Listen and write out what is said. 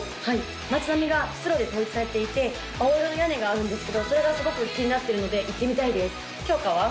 町並みが白で統一されていて青色の屋根があるんですけどそれがすごく気になってるので行ってみたいですきょうかは？